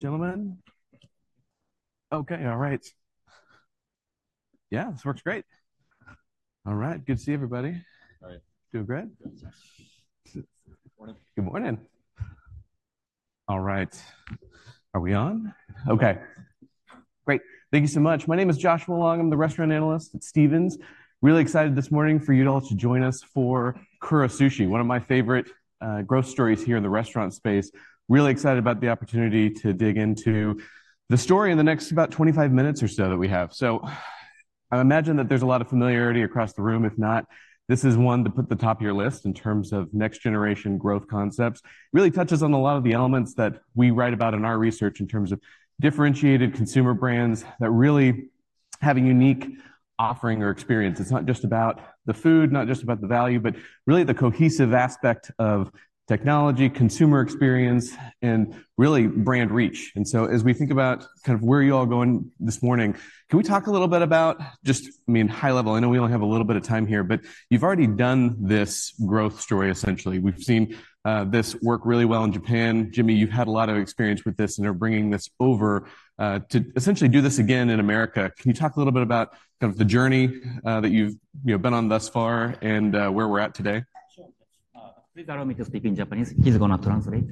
Gentlemen? Okay, all right. Yeah, this works great. All right, good to see everybody. Hi. Doing great? Yes. Good morning. Good morning. All right, are we on? Okay, great. Thank you so much. My name is Joshua Long. I'm the restaurant analyst at Stephens. Really excited this morning for you all to join us for Kura Sushi, one of my favorite growth stories here in the restaurant space. Really excited about the opportunity to dig into the story in the next about 25 minutes or so that we have. So I imagine that there's a lot of familiarity across the room. If not, this is one to put at the top of your list in terms of next-generation growth concepts. Really touches on a lot of the elements that we write about in our research, in terms of differentiated consumer brands that really have a unique offering or experience. It's not just about the food, not just about the value, but really the cohesive aspect of technology, consumer experience, and really brand reach. So as we think about kind of where you all are going this morning, can we talk a little bit about just, I mean, high level? I know we only have a little bit of time here, but you've already done this growth story, essentially. We've seen this work really well in Japan. Jimmy, you've had a lot of experience with this, and are bringing this over to essentially do this again in America. Can you talk a little bit about kind of the journey that you've, you know, been on thus far and where we're at today? Sure. Please allow me to speak in Japanese. He's gonna translate.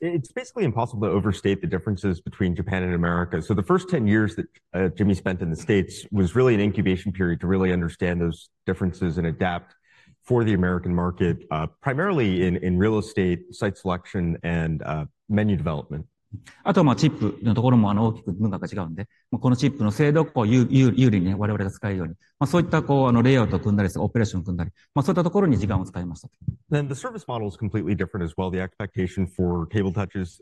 It's basically impossible to overstate the differences between Japan and America. So the first 10 years that Jimmy spent in the States was really an incubation period to really understand those differences and adapt for the American market, primarily in real estate, site selection, and menu development. Then the service model is completely different as well. The expectation for table touches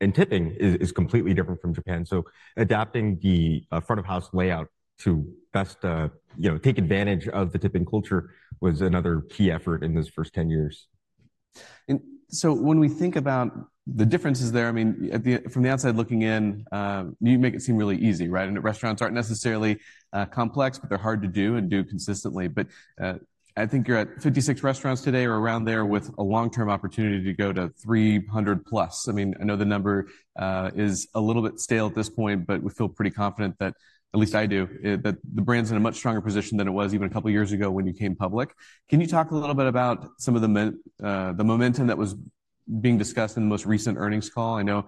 and tipping is completely different from Japan. So adapting the front-of-house layout to best, you know, take advantage of the tipping culture was another key effort in those first 10 years. So when we think about the differences there, I mean, from the outside looking in, you make it seem really easy, right? And the restaurants aren't necessarily complex, but they're hard to do and do consistently. But I think you're at 56 restaurants today or around there, with a long-term opportunity to go to 300+. I mean, I know the number is a little bit stale at this point, but we feel pretty confident that, at least I do, that the brand's in a much stronger position than it was even a couple of years ago when you came public. Can you talk a little bit about some of the momentum that was being discussed in the most recent earnings call? I know,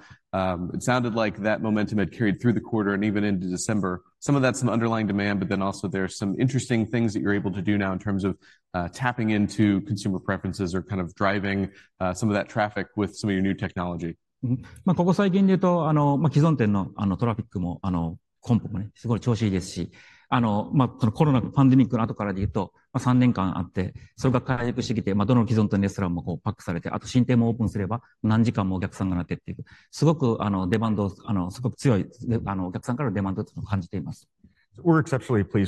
it sounded like that momentum had carried through the quarter and even into December. Some of that's some underlying demand, but then also there are some interesting things that you're able to do now in terms of, tapping into consumer preferences or kind of driving, some of that traffic with some of your new technology. We're exceptionally pleased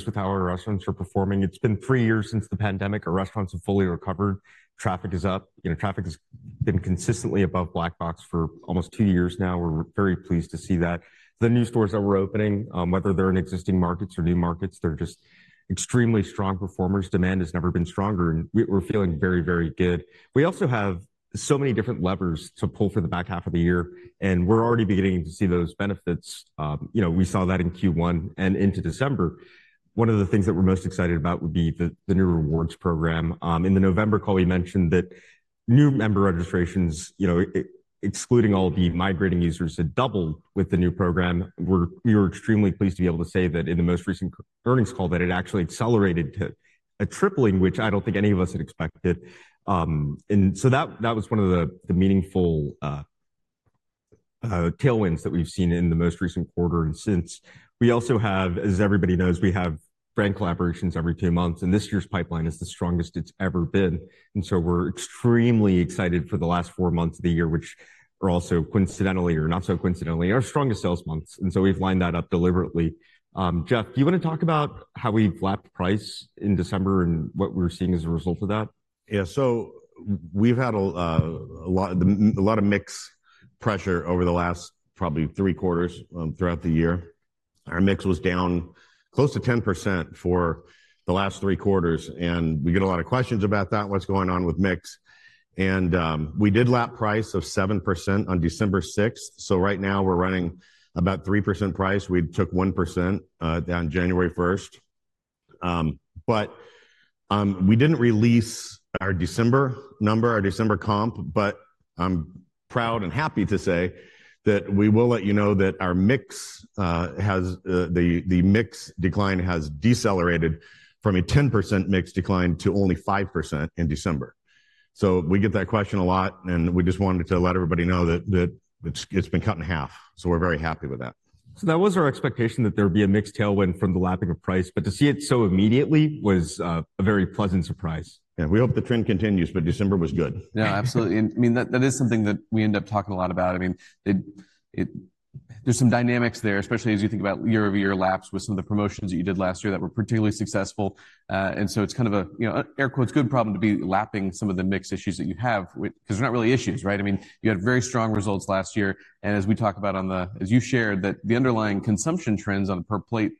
with how our restaurants are performing. It's been three years since the pandemic. Our restaurants have fully recovered. Traffic is up. You know, traffic has been consistently above Black Box for almost two years now. We're very pleased to see that. The new stores that we're opening, whether they're in existing markets or new markets, they're just extremely strong performers. Demand has never been stronger, and we're feeling very, very good. We also have so many different levers to pull for the back half of the year, and we're already beginning to see those benefits. You know, we saw that in Q1 and into December. One of the things that we're most excited about would be the new rewards program. In the November call, we mentioned that new member registrations, you know, excluding all the migrating users, had doubled with the new program. We're extremely pleased to be able to say that in the most recent earnings call, that it actually accelerated to a tripling, which I don't think any of us had expected. And so that was one of the meaningful tailwinds that we've seen in the most recent quarter and since. We also have, as everybody knows, we have brand collaborations every two months, and this year's pipeline is the strongest it's ever been. And so we're extremely excited for the last four months of the year, which are also, coincidentally or not so coincidentally, our strongest sales months, and so we've lined that up deliberately. Jeff, do you want to talk about how we lapped price in December and what we're seeing as a result of that? Yeah. So we've had a lot of mix pressure over the last probably 3 quarters throughout the year. Our mix was down close to 10% for the last 3 quarters, and we get a lot of questions about that. What's going on with mix? And we did lap price of 7% on December sixth. So right now, we're running about 3% price. We took 1% down January first. But we didn't release our December number, our December comp, but I'm proud and happy to say that we will let you know that our mix decline has decelerated from a 10% mix decline to only 5% in December. So we get that question a lot, and we just wanted to let everybody know that it's been cut in half, so we're very happy with that. So that was our expectation, that there would be a mix tailwind from the lapping of price, but to see it so immediately was, a very pleasant surprise. Yeah, we hope the trend continues, but December was good. Yeah, absolutely. I mean, that is something that we end up talking a lot about. I mean, it... There's some dynamics there, especially as you think about year-over-year laps with some of the promotions that you did last year that were particularly successful. And so it's kind of a, you know, air quotes, "good problem" to be lapping some of the mix issues that you have with—'cause they're not really issues, right? I mean, you had very strong results last year, and as we talk about on the—as you shared, that the underlying consumption trends on a per plate,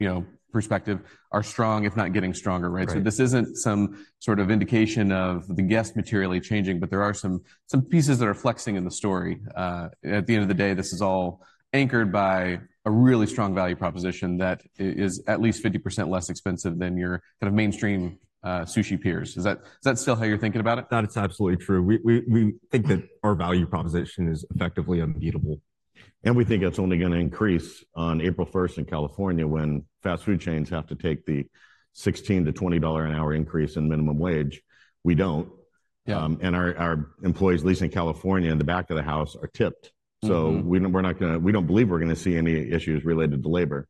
you know, perspective are strong, if not getting stronger, right? Right. So this isn't some sort of indication of the guest materially changing, but there are some pieces that are flexing in the story. At the end of the day, this is all anchored by a really strong value proposition that is at least 50% less expensive than your kind of mainstream sushi peers. Is that still how you're thinking about it? That is absolutely true. We think that our value proposition is effectively unbeatable. We think that's only gonna increase on April first in California, when fast food chains have to take the $16-$20 an hour increase in minimum wage. We don't. Yeah. Our employees, at least in California, in the back of the house, are tipped. Mm. We don't believe we're gonna see any issues related to labor,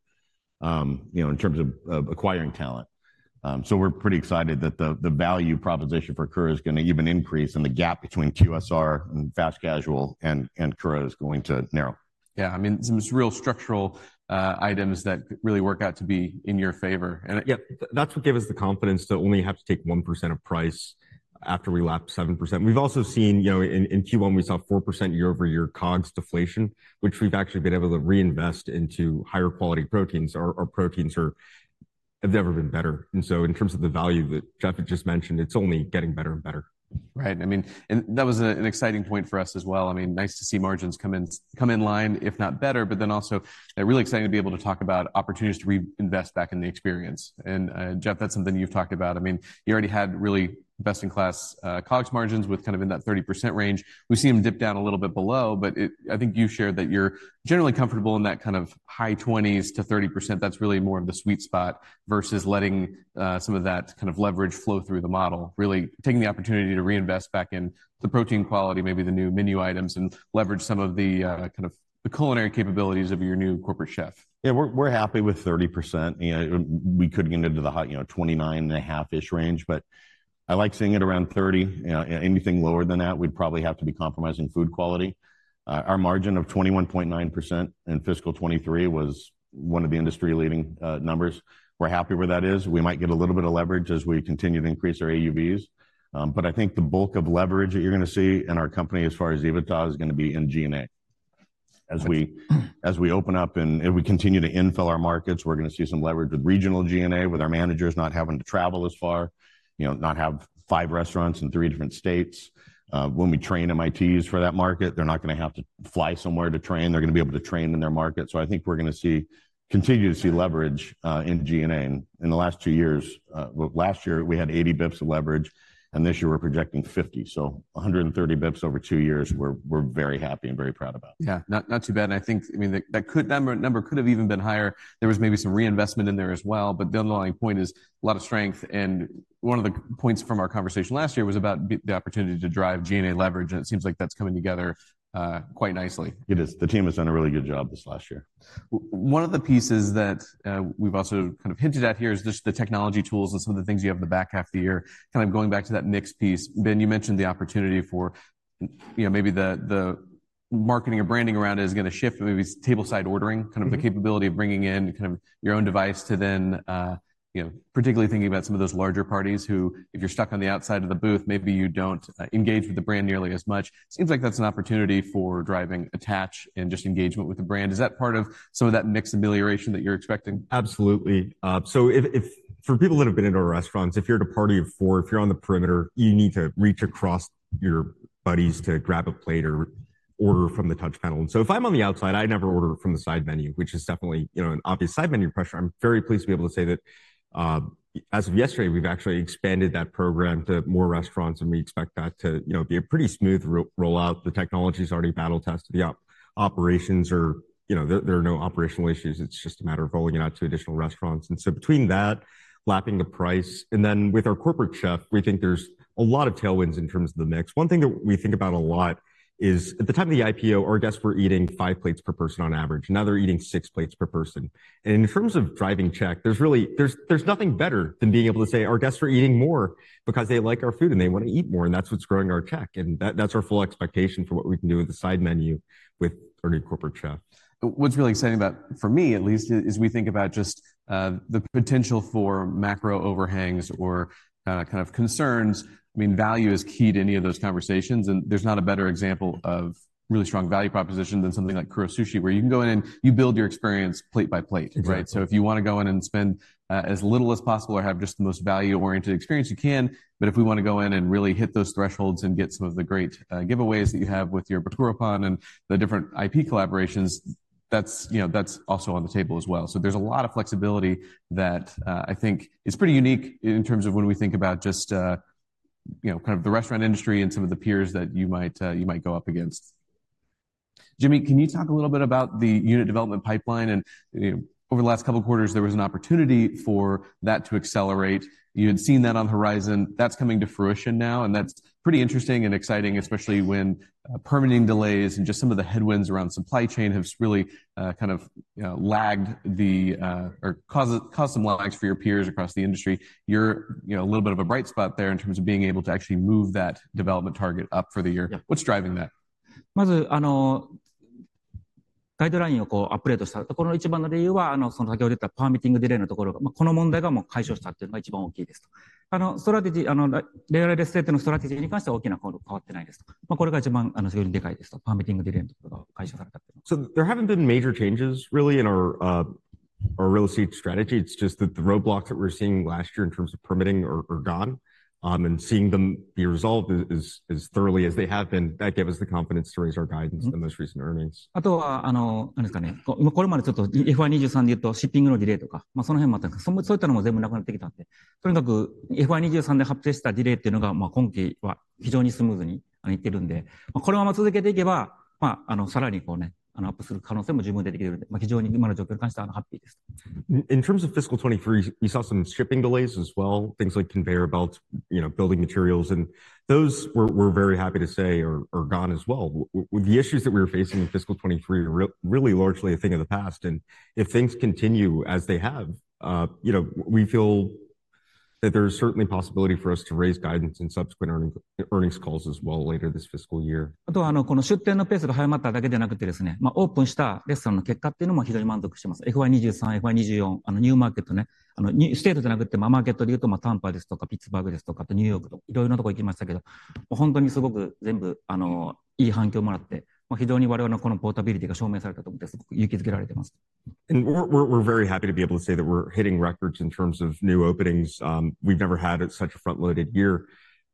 you know, in terms of acquiring talent. So we're pretty excited that the value proposition for Kura is gonna even increase, and the gap between QSR and fast casual and Kura is going to narrow. Yeah, I mean, some real structural items that really work out to be in your favor, and- Yeah, that's what gave us the confidence to only have to take 1% of price after we lapped 7%. We've also seen, you know, in Q1, we saw 4% year-over-year COGS deflation, which we've actually been able to reinvest into higher quality proteins. Our proteins have never been better. And so in terms of the value that Jeff had just mentioned, it's only getting better and better. Right. I mean, and that was an exciting point for us as well. I mean, nice to see margins come in line, if not better, but then also really exciting to be able to talk about opportunities to reinvest back in the experience. And, Jeff, that's something you've talked about. I mean, you already had really best-in-class, COGS margins with kind of in that 30% range. We've seen them dip down a little bit below, but I think you shared that you're generally comfortable in that kind of high 20s-30%. That's really more of the sweet spot versus letting, some of that kind of leverage flow through the model, really taking the opportunity to reinvest back in the protein quality, maybe the new menu items, and leverage some of the, kind of the culinary capabilities of your new corporate chef. Yeah, we're, we're happy with 30%, you know, we could get into the high, you know, 29.5%-ish range, but I like seeing it around 30%. You know, anything lower than that, we'd probably have to be compromising food quality. Our margin of 21.9% in fiscal 2023 was one of the industry-leading, numbers. We're happy where that is. We might get a little bit of leverage as we continue to increase our AUVs. But I think the bulk of leverage that you're gonna see in our company as far as EBITDA is gonna be in G&A. As we, as we open up and as we continue to infill our markets, we're gonna see some leverage with regional G&A, with our managers not having to travel as far, you know, not have five restaurants in three different states. When we train MITs for that market, they're not gonna have to fly somewhere to train. They're gonna be able to train in their market. So I think we're gonna see, continue to see leverage in G&A. And in the last two years, well, last year we had 80 BPS of leverage, and this year we're projecting 50, so 130 BPS over two years, we're very happy and very proud about. Yeah, not, not too bad. And I think, I mean, that could, number could have even been higher. There was maybe some reinvestment in there as well, but the underlying point is a lot of strength. And one of the points from our conversation last year was about the opportunity to drive G&A leverage, and it seems like that's coming together quite nicely. It is. The team has done a really good job this last year. One of the pieces that, we've also kind of hinted at here is just the technology tools and some of the things you have in the back half of the year, kind of going back to that mixed piece. Ben, you mentioned the opportunity for, you know, maybe the, the marketing or branding around it is gonna shift, maybe tableside ordering- Mm. Kind of the capability of bringing in kind of your own device to then, you know, particularly thinking about some of those larger parties who, if you're stuck on the outside of the booth, maybe you don't engage with the brand nearly as much. Seems like that's an opportunity for driving attach and just engagement with the brand. Is that part of some of that mix amelioration that you're expecting? Absolutely. So if for people that have been into our restaurants, if you're at a party of four, if you're on the perimeter, you need to reach across your buddies to grab a plate or order from the touch panel. And so if I'm on the outside, I never order from the side menu, which is definitely, you know, an obvious side menu pressure. I'm very pleased to be able to say that, as of yesterday, we've actually expanded that program to more restaurants, and we expect that to, you know, be a pretty smooth rollout. The technology's already battle-tested. The operations are. You know, there are no operational issues. It's just a matter of rolling it out to additional restaurants. And so between that, lapping the price, and then with our corporate chef, we think there's a lot of tailwinds in terms of the mix. One thing that we think about a lot is at the time of the IPO, our guests were eating five plates per person on average. Now, they're eating six plates per person. And in terms of driving check, there's really nothing better than being able to say, "Our guests are eating more because they like our food and they want to eat more," and that's what's growing our check, and that's our full expectation for what we can do with the side menu with our new corporate chef. What's really exciting about, for me at least, is we think about just the potential for macro overhangs or kind of concerns. I mean, value is key to any of those conversations, and there's not a better example of really strong value proposition than something like Kura Sushi, where you can go in and you build your experience plate by plate. Exactly. Right? So if you wanna go in and spend as little as possible or have just the most value-oriented experience, you can. But if we wanna go in and really hit those thresholds and get some of the great giveaways that you have with your Bikkura Pon and the different IP collaborations, that's, you know, that's also on the table as well. So there's a lot of flexibility that I think is pretty unique in terms of when we think about just you know, kind of the restaurant industry and some of the peers that you might go up against. Jimmy, can you talk a little bit about the unit development pipeline? And, you know, over the last couple of quarters, there was an opportunity for that to accelerate. You had seen that on the horizon. That's coming to fruition now, and that's pretty interesting and exciting, especially when permitting delays and just some of the headwinds around supply chain have really kind of lagged or caused some lags for your peers across the industry. You're, you know, a little bit of a bright spot there in terms of being able to actually move that development target up for the year. Yeah. What's driving that? ...guidelineをこうupdateした。この一番の理由は、先ほど出たpermitting delayのところが、この問題がもう解消したっていうのが一番大きいですと。strategy、real estateのstrategyに関しては大きな変更は変わってないですと。これが一番非常にでかいですと。Permitting delayのところが解消されたっていう。So there haven't been major changes really in our real estate strategy. It's just that the roadblocks that we were seeing last year in terms of permitting are gone. And seeing them be resolved as thoroughly as they have been, that gave us the confidence to raise our guidance in those recent earnings. あと、何ですかね、これまでちょっとFY23でいうとshippingのdelayとか、その辺もそういったのも全部なくなってきたんで、とにかくFY23で発生したdelayっていうのが、まあ今期は非常にスムーズにいってるんで、このまま続けていけば、まあ、さらにこうね、アップする可能性も十分出てきてるんで、非常に今の状況に関しては、ハッピーです。In terms of fiscal 2023, we saw some shipping delays as well. Things like conveyor belts, you know, building materials, and those we're very happy to say are gone as well. The issues that we were facing in fiscal 2023 are really largely a thing of the past, and if things continue as they have, you know, we feel that there's certainly possibility for us to raise guidance in subsequent earnings calls as well, later this fiscal year. Also, not only has the pace of this store opening accelerated, but the results of the opened restaurants are also very satisfactory. FY23, FY24, new markets, not states, but markets like Tampa, Pittsburgh, and New York, we went to various places, but really all of them received very good responses. Very much, we think our this portability has been proven, and we are very encouraged. We're very happy to be able to say that we're hitting records in terms of new openings. We've never had such a front-loaded year,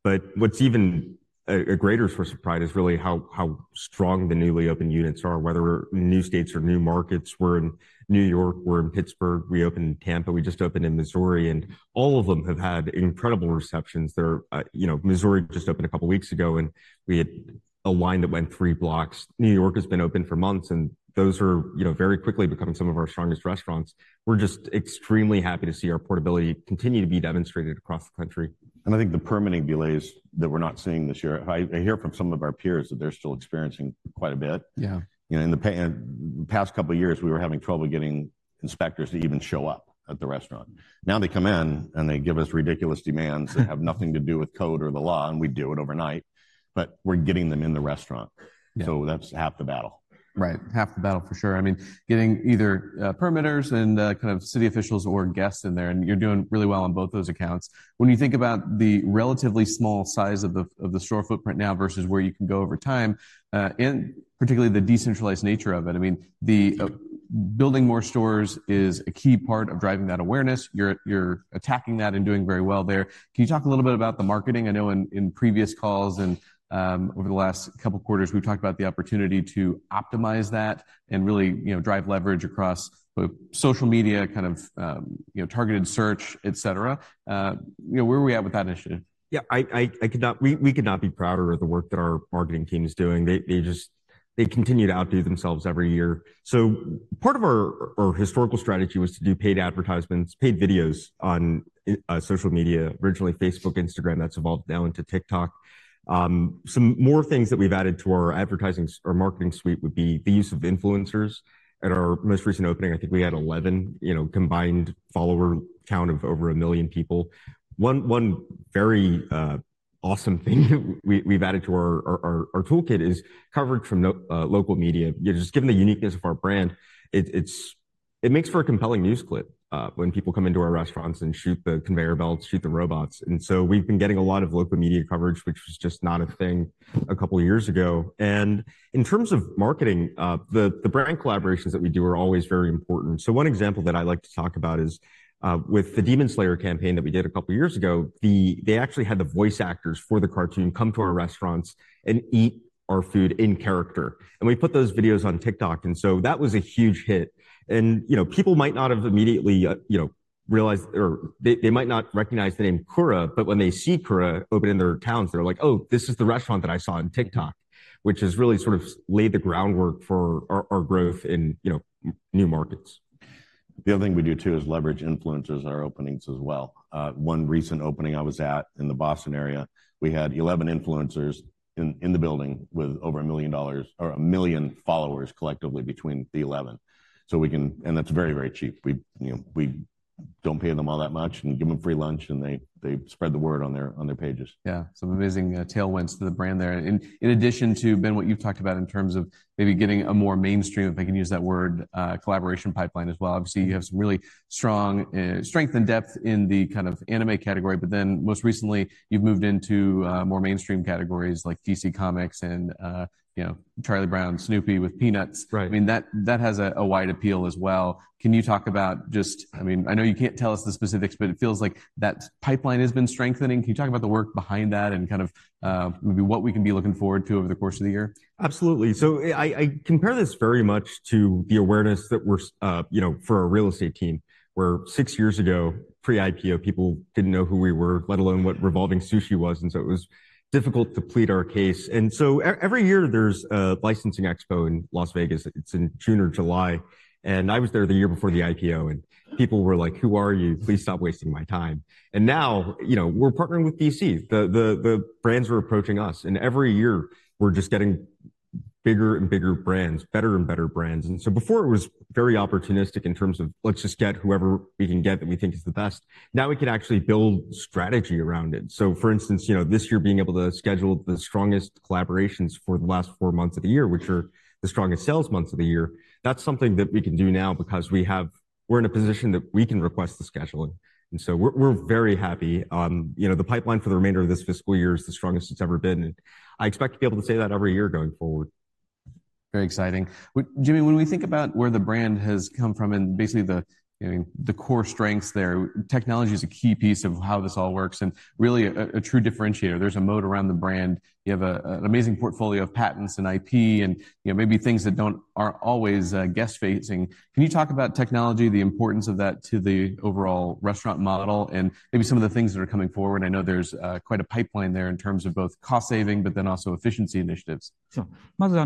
but what's even a greater source of pride is really how strong the newly opened units are, whether we're in new states or new markets. We're in New York, we're in Pittsburgh, we opened in Tampa, we just opened in Missouri, and all of them have had incredible receptions. They're... You know, Missouri just opened a couple of weeks ago, and we had a line that went three blocks. New York has been open for months, and those are, you know, very quickly becoming some of our strongest restaurants. We're just extremely happy to see our portability continue to be demonstrated across the country. I think the permitting delays that we're not seeing this year. I hear from some of our peers that they're still experiencing quite a bit. Yeah. You know, in the past couple of years, we were having trouble getting inspectors to even show up at the restaurant. Now, they come in, and they give us ridiculous demands that have nothing to do with code or the law, and we'd do it overnight, but we're getting them in the restaurant. Yeah. So that's half the battle. Right. Half the battle, for sure. I mean, getting either, permitters and, kind of city officials or guests in there, and you're doing really well on both those accounts. When you think about the relatively small size of the, of the store footprint now versus where you can go over time, and particularly the decentralized nature of it, I mean, the, building more stores is a key part of driving that awareness. You're, you're attacking that and doing very well there. Can you talk a little bit about the marketing? I know in, in previous calls and, over the last couple of quarters, we've talked about the opportunity to optimize that and really, you know, drive leverage across the social media, kind of, you know, targeted search, et cetera. You know, where are we at with that initiative? Yeah, we could not be prouder of the work that our marketing team is doing. They just continue to outdo themselves every year. So part of our historical strategy was to do paid advertisements, paid videos on social media, originally Facebook, Instagram, that's evolved now into TikTok. Some more things that we've added to our advertising or marketing suite would be the use of influencers. At our most recent opening, I think we had 11, you know, combined follower count of over 1 million people. One very awesome thing we've added to our toolkit is coverage from local media. Just given the uniqueness of our brand, it makes for a compelling news clip when people come into our restaurants and shoot the conveyor belts, shoot the robots. We've been getting a lot of local media coverage, which was just not a thing a couple of years ago. In terms of marketing, the brand collaborations that we do are always very important. One example that I like to talk about is with the Demon Slayer campaign that we did a couple of years ago. They actually had the voice actors for the cartoon come to our restaurants and eat our food in character. And we put those videos on TikTok, and so that was a huge hit. You know, people might not have immediately, you know, realized or they, they might not recognize the name Kura, but when they see Kura open in their towns, they're like: "Oh, this is the restaurant that I saw on TikTok," which has really sort of laid the groundwork for our, our growth in, you know, new markets. The other thing we do, too, is leverage influencers in our openings as well. One recent opening I was at in the Boston area, we had 11 influencers in, in the building with over a million dollars or 1 million followers collectively between the 11. So we can... And that's very, very cheap. We, you know, we don't pay them all that much and give them free lunch, and they, they spread the word on their, on their pages. Yeah, some amazing tailwinds to the brand there. And in addition to, Ben, what you've talked about in terms of maybe getting a more mainstream, if I can use that word, collaboration pipeline as well. Obviously, you have some really strong strength and depth in the kind of anime category, but then most recently, you've moved into more mainstream categories like DC Comics and, you know, Charlie Brown, Snoopy with Peanuts. Right. I mean, that has a wide appeal as well. Can you talk about just... I mean, I know you can't tell us the specifics, but it feels like that pipeline has been strengthening. Can you talk about the work behind that and kind of, maybe what we can be looking forward to over the course of the year? Absolutely. So I compare this very much to the awareness that we're, you know, for our real estate team, where six years ago, pre-IPO, people didn't know who we were, let alone what revolving sushi was, and so it was difficult to plead our case. And so every year there's a licensing expo in Las Vegas. It's in June or July, and I was there the year before the IPO, and people were like: "Who are you? Please stop wasting my time." And now, you know, we're partnering with DC. The brands are approaching us, and every year we're just getting bigger and bigger brands, better and better brands. And so before, it was very opportunistic in terms of, let's just get whoever we can get that we think is the best. Now, we can actually build strategy around it. So for instance, you know, this year being able to schedule the strongest collaborations for the last four months of the year, which are the strongest sales months of the year, that's something that we can do now because we have- ...We're in a position that we can request the scheduling, and so we're very happy. You know, the pipeline for the remainder of this fiscal year is the strongest it's ever been, and I expect to be able to say that every year going forward. Very exciting. Jimmy, when we think about where the brand has come from and basically the, you know, the core strengths there, technology is a key piece of how this all works and really a true differentiator. There's a moat around the brand. You have an amazing portfolio of patents and IP and, you know, maybe things that aren't always guest-facing. Can you talk about technology, the importance of that to the overall restaurant model, and maybe some of the things that are coming forward? I know there's quite a pipeline there in terms of both cost saving, but then also efficiency initiatives. Even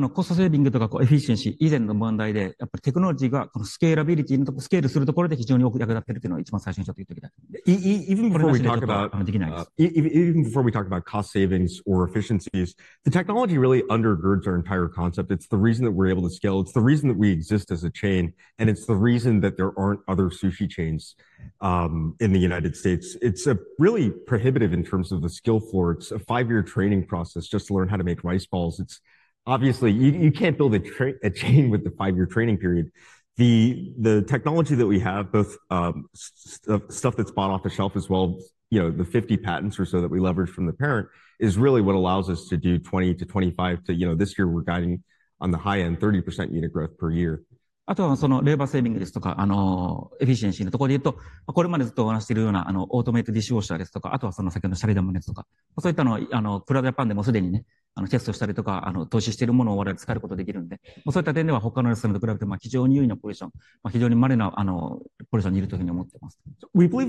before we talk about cost savings or efficiencies, the technology really undergirds our entire concept. It's the reason that we're able to scale, it's the reason that we exist as a chain, and it's the reason that there aren't other sushi chains in the United States. It's really prohibitive in terms of the skill floor. It's a five-year training process just to learn how to make rice balls. It's obviously you can't build a chain with a five-year training period. The technology that we have, both stuff that's bought off the shelf as well, you know, the 50 patents or so that we leverage from the parent, is really what allows us to do 20 to 25 to... You know, this year we're guiding on the high end, 30% unit growth per year. We believe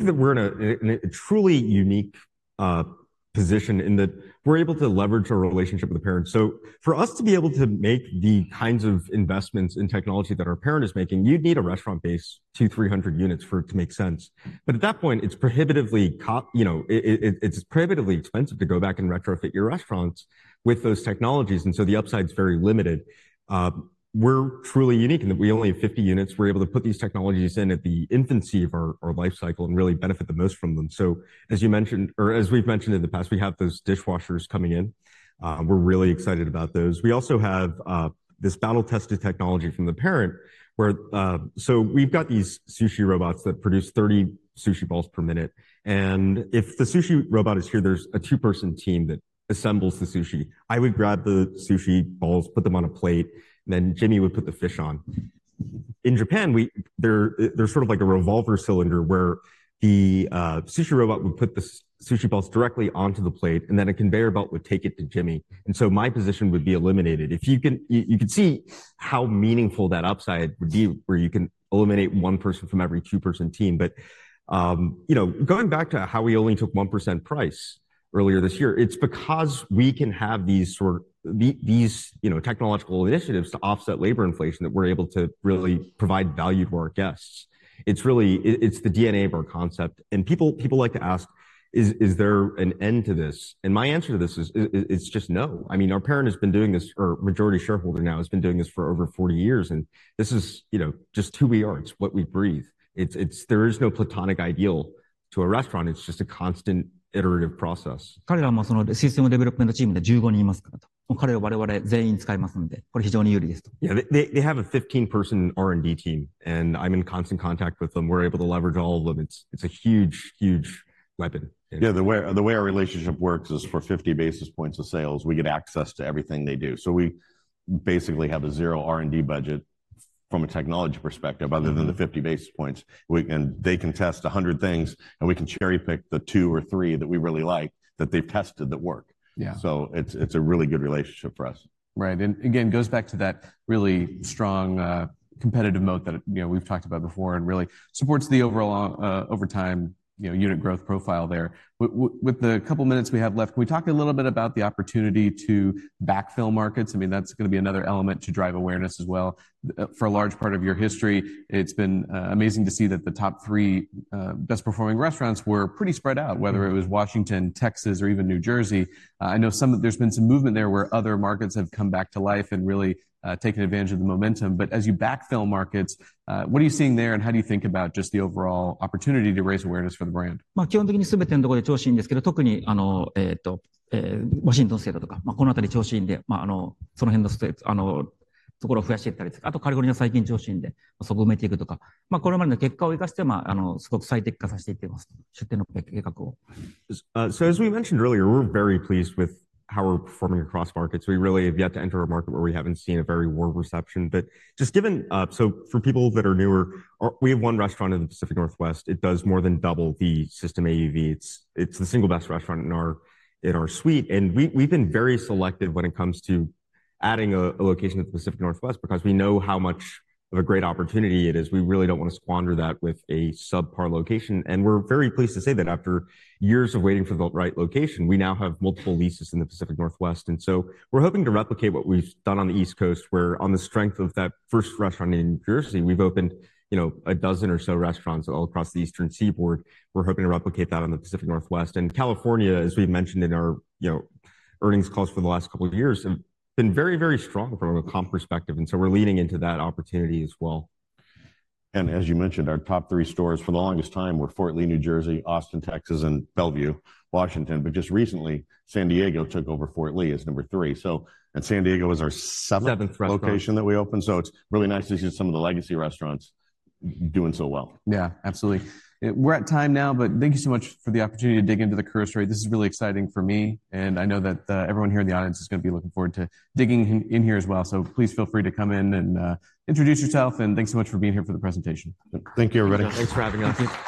that we're in a truly unique position in that we're able to leverage our relationship with the parent. So for us to be able to make the kinds of investments in technology that our parent is making, you'd need a restaurant base, 200 units-300 units for it to make sense. But at that point, you know, it's prohibitively expensive to go back and retrofit your restaurants with those technologies, and so the upside is very limited. We're truly unique in that we only have 50 units. We're able to put these technologies in at the infancy of our life cycle and really benefit the most from them. So as you mentioned, or as we've mentioned in the past, we have those dishwashers coming in. We're really excited about those. We also have this battle-tested technology from the parent, where... So we've got these sushi robots that produce 30 sushi balls per minute, and if the sushi robot is here, there's a two-person team that assembles the sushi. I would grab the sushi balls, put them on a plate, and then Jimmy would put the fish on. In Japan, they're sort of like a revolver cylinder, where the sushi robot would put the sushi balls directly onto the plate, and then a conveyor belt would take it to Jimmy. And so my position would be eliminated. If you can see how meaningful that upside would be, where you can eliminate one person from every two-person team. But, you know, going back to how we only took 1% price earlier this year, it's because we can have these, you know, technological initiatives to offset labor inflation that we're able to really provide value to our guests. It's really, it's the DNA of our concept. And people like to ask: "Is there an end to this?" And my answer to this is, it's just no. I mean, our parent has been doing this, or majority shareholder now, has been doing this for over 40 years, and this is, you know, just who we are. It's what we breathe. It's. There is no platonic ideal to a restaurant. It's just a constant iterative process. Yeah, they have a 15-person R&D team, and I'm in constant contact with them. We're able to leverage all of them. It's a huge, huge weapon. Yeah, the way, the way our relationship works is for 50 basis points of sales, we get access to everything they do. So we basically have a 0 R&D budget from a technology perspective, other than the 50 basis points. And they can test 100 things, and we can cherry-pick the two or three that we really like, that they've tested that work. Yeah. So it's a really good relationship for us. Right. And again, it goes back to that really strong, competitive moat that, you know, we've talked about before and really supports the overall, over time, you know, unit growth profile there. With the couple of minutes we have left, can we talk a little bit about the opportunity to backfill markets? I mean, that's gonna be another element to drive awareness as well. For a large part of your history, it's been amazing to see that the top three best-performing restaurants were pretty spread out, whether it was Washington, Texas, or even New Jersey. I know some of—there's been some movement there where other markets have come back to life and really taken advantage of the momentum. But as you backfill markets, what are you seeing there, and how do you think about just the overall opportunity to raise awareness for the brand? So, so as we mentioned earlier, we're very pleased with how we're performing across markets. We really have yet to enter a market where we haven't seen a very warm reception. But just given... So for people that are newer, we have one restaurant in the Pacific Northwest. It does more than double the system AUV. It's, it's the single best restaurant in our, in our suite. And we, we've been very selective when it comes to adding a, a location to the Pacific Northwest because we know how much of a great opportunity it is. We really don't want to squander that with a subpar location. And we're very pleased to say that after years of waiting for the right location, we now have multiple leases in the Pacific Northwest. And so we're hoping to replicate what we've done on the East Coast, where on the strength of that first restaurant in Jersey, we've opened, you know, a dozen or so restaurants all across the Eastern Seaboard. We're hoping to replicate that on the Pacific Northwest. And California, as we've mentioned in our, you know, earnings calls for the last couple of years, have been very, very strong from a comp perspective, and so we're leaning into that opportunity as well. As you mentioned, our top three stores for the longest time were Fort Lee, New Jersey, Austin, Texas, and Bellevue, Washington. But just recently, San Diego took over Fort Lee as number three. San Diego was our seventh- Seventh. Location that we opened, so it's really nice to see some of the legacy restaurants doing so well. Yeah, absolutely. We're at time now, but thank you so much for the opportunity to dig into the Kura. This is really exciting for me, and I know that everyone here in the audience is gonna be looking forward to digging in here as well. So please feel free to come in and introduce yourself, and thanks so much for being here for the presentation. Thank you, everybody. Thanks for having us.